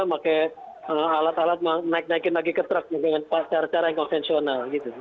pakai alat alat naik naikin lagi ke truk dengan cara cara yang konvensional